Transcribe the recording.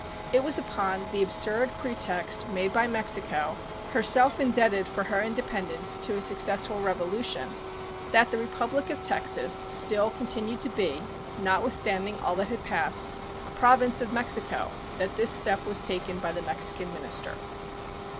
It was upon the absurd pretext, made by Mexico (herself indebted for her independence to a successful revolution), that the Republic of Texas still continued to be, notwithstanding all that had passed, a Province of Mexico that this step was taken by the Mexican minister.